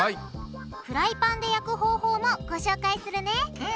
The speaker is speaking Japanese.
フライパンで焼く方法もご紹介するねうん。